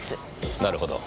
なるほど。